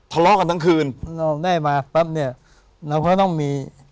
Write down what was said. ทะเลาะกันทั้งคืนเราได้มาปั๊บเนี่ยเราก็ต้องมี